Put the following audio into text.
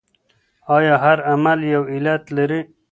آيا هر عمل يو علت لري؟